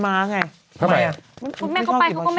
ตอนที่คุณแม่ปลอดภัย